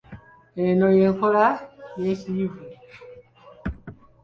Eno y'enkola ey'ekiyivu.